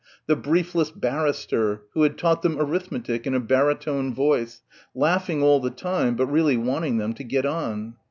the briefless barrister who had taught them arithmetic in a baritone voice, laughing all the time but really wanting them to get on.